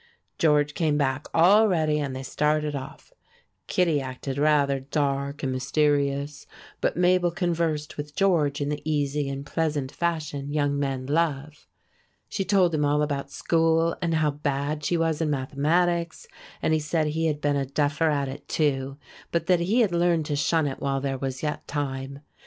George came back all ready, and they started off. Kittie acted rather dark and mysterious, but Mabel conversed with George in the easy and pleasant fashion young men love. She told him all about school and how bad she was in mathematics; and he said he had been a duffer at it too, but that he had learned to shun it while there was yet time.